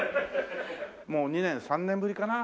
もう２年３年ぶりかな？